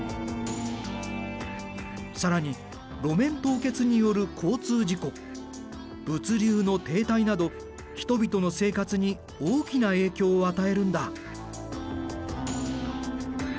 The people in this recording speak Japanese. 更に路面凍結による交通事故物流の停滞など人々の生活に大きな影響を与えるんだ。